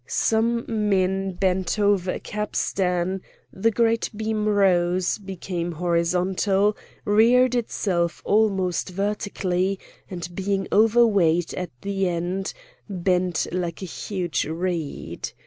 Some men bent over a capstan; the great beam rose, became horizontal, reared itself almost vertically, and being overweighted at the end, bent like a huge reed.